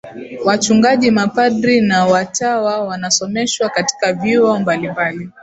Wachungaji mapadri na watawa wanasomeshwa katika vyuo mbalimbali